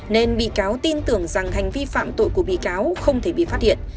nên bị cáo tin tưởng rằng hành vi phạm tội của bị cáo không thể bị phát hiện